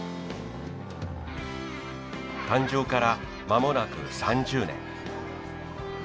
誕生から間もなく３０年。